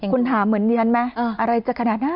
คุณถามเหมือนเรียนไหมอะไรจะขนาดนั้น